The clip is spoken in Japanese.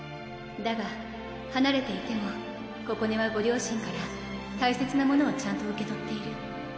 だがはなれていてもここねはご両親から大切なものをちゃんと受け取っている